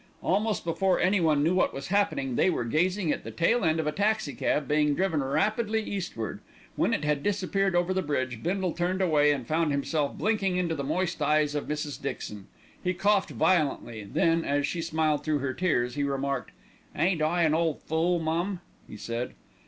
Almost before anyone knew what was happening, they were gazing at the tail end of a taxi cab being driven rapidly eastward. When it had disappeared over the bridge, Bindle turned away and found himself blinking into the moist eyes of Mrs. Dixon. He coughed violently, then, as she smiled through her tears, he remarked: "Ain't I an ole fool, mum?" he said.